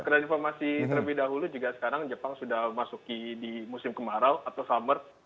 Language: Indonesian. kita informasi terlebih dahulu juga sekarang jepang sudah masuk di musim kemarau atau summer